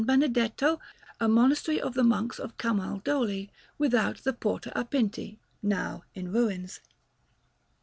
Benedetto, a monastery of the Monks of Camaldoli without the Porta a Pinti, now in ruins.